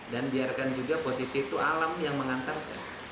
dan biarkan juga posisi itu alam yang mengantarkan